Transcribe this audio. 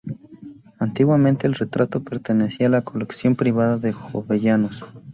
Antiguamente el retrato pertenecía a la colección privada de Jovellanos.